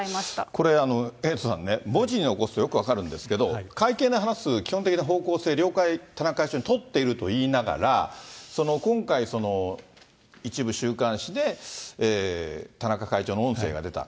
これ、エイトさんね、文字に起こすとよく分かるんですけど、会見で話す基本的な方向性、了解、田中会長に取っていると言いながら、今回、一部週刊誌で田中会長の音声が出た。